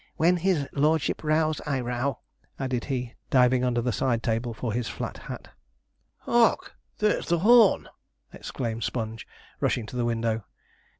'When his lordship rows I row,' added he, diving under the side table for his flat hat. 'Hark! there's the horn!' exclaimed Sponge, rushing to the window.